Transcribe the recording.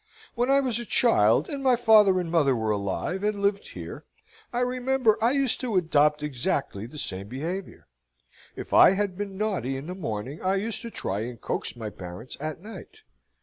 When I was a child, and my father and mother were alive, and lived here, I remember I used to adopt exactly the same behaviour. If I had been naughty in the morning, I used to try and coax my parents at night.